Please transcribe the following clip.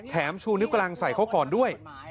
แถมชูนิปกำลังใส่เขาก่อนด้วย